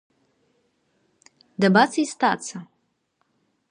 Дабацеи сҭаца?